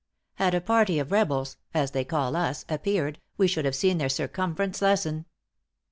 Had a party of rebels (as they call us) appeared, we should have seen their circumference lessen.